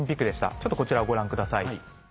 ちょっとこちらをご覧ください。